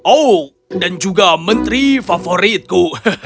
oh dan juga menteri favoritku